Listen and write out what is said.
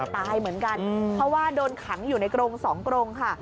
ตายเหมือนกันเพราะว่าโดนขังอยู่ในกรง๒กรงค่ะ